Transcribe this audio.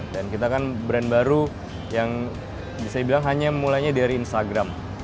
dan kita kan brand baru yang bisa dibilang hanya mulainya dari instagram